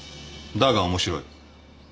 だが面白い。